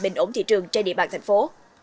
bình ổn thị trường trên địa bàn thành phố